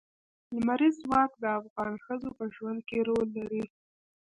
لمریز ځواک د افغان ښځو په ژوند کې رول لري.